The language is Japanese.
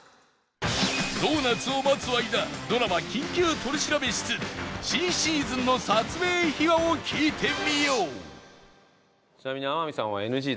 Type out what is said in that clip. ドーナツを待つ間ドラマ『緊急取調室』新シーズンの撮影秘話を聞いてみよう